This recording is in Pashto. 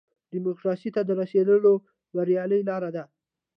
ډیموکراسۍ ته د رسېدو بریالۍ لاره ده.